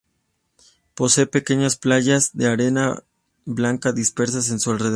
Posee pequeñas playas de arena blanca dispersas en su alrededor.